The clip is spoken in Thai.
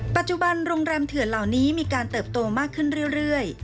ปัจจุบันโรงแรมเถื่อนเหล่านี้มีการเติบโตมากขึ้นเรื่อย